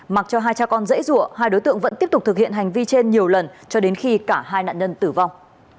mặc cho hai cha con dễ dụa hai đối tượng vẫn tiếp tục thực hiện hành vi trên nhiều lần cho đến khi cả hai nạn nhân tử vong